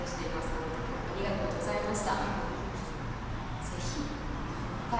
あの時はありがとうございました。